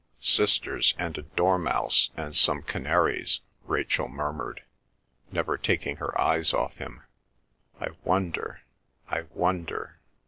"Sisters and a dormouse and some canaries," Rachel murmured, never taking her eyes off him. "I wonder, I wonder."